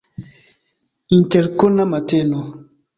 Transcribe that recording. Interkona mateno.